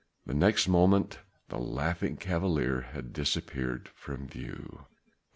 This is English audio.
The next moment the Laughing Cavalier had disappeared from view.